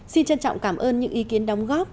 xin trân trọng cảm ơn những ý kiến đóng góp